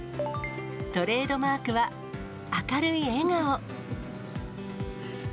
トレードマークは、明るい笑顔。